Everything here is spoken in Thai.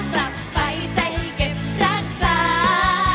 กลับไปใจเก็บรักษา